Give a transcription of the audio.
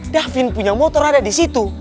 dahvin punya motor ada di situ